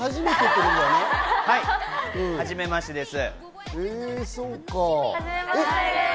はじめましてです。